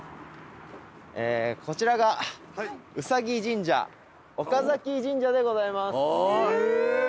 こちらがうさぎ神社岡神社でございます。